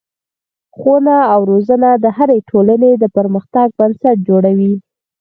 ښوونه او روزنه د هرې ټولنې د پرمختګ بنسټ جوړوي.